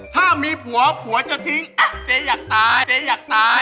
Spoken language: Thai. ถ้ามีผัวผัวจะทิ้งเจ๊อยากตายเจ๊อยากตาย